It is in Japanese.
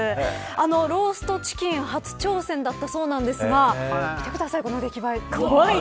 ローストチキン初挑戦だったそうなんですが見てください、この出来栄え。